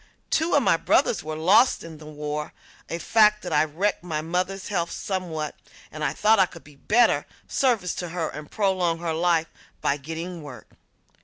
Two of my brothers were lost in the war, a fact that wrecked my mother's health somewhat and I thought I could be of better service to her and prolong her life by getting work.